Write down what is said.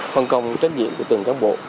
phân công trách nhiệm của từng cán bộ